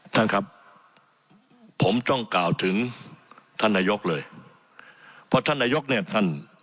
ท่านครับผมต้องกล่าวถึงท่านนายกเลยเพราะท่านนายกเนี่ยท่าน